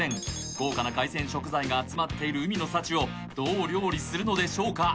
豪華な海鮮食材が集まっている海の幸をどう料理するのでしょうか